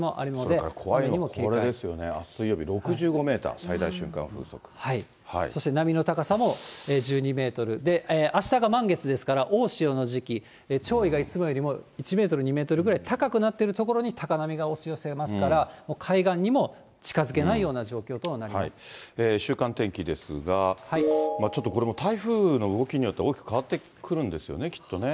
それから怖いのはこれですよね、水曜日６５メーター、最大瞬そして波の高さも１２メートルで、あしたが満月ですから、大潮の時期、潮位がいつもよりも１メートル、２メートルぐらい高くなっているところに高波が押し寄せますから、海岸にも近づけないような状況と週間天気ですが、ちょっとこれも台風の動きによっては大きく変わってくるんですよね、きっとね。